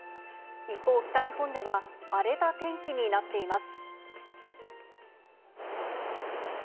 一方、北日本では荒れた天気になっています。